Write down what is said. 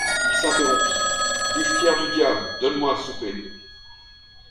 Il s’interrompit: — Buvetière du diable, donne-moi à souper.